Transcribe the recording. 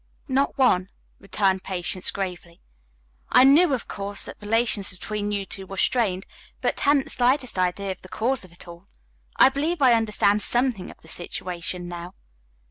"Not one," returned Patience gravely. "I knew, of course, that relations between you two were strained, but hadn't the slightest idea of the cause of it all. I believe I understand something of the situation now."